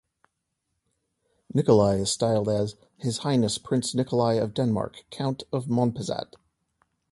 Nikolai is styled as "His Highness Prince Nikolai of Denmark, Count of Monpezat".